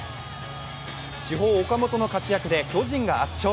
主砲・岡本の活躍で巨人が圧勝。